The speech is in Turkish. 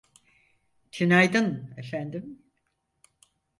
Tünaydın, efendim.